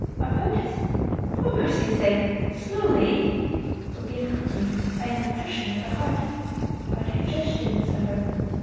Our protest: "For mercy's sake, slowly," would be accompanied by an oppression of the heart; our digestion would suffer.